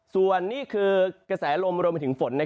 ส่วนนี่คือกระแสลมรวมไปถึงฝน